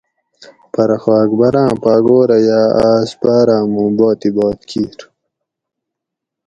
پرہ خو اکبراں پاگورہ یا آس بار آمو باطیبات کیر